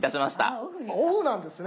そうなんです